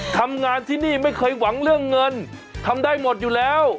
ทำงานที่นี่ไม่เคยหวังเรื่องเงินทำได้หมดอยู่แล้ว